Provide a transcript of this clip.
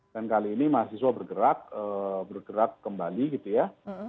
dan kali ini mahasiswa bergerak bergerak kembali gitu ya